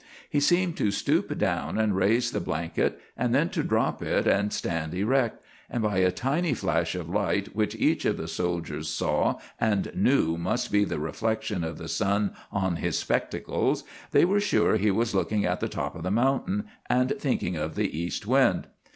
He seemed to stoop down and raise the blanket, and then to drop it and stand erect, and by a tiny flash of light which each of the soldiers saw and knew must be the reflection of the sun on his spectacles, they were sure he was looking at the top of the mountain and thinking of the east wind.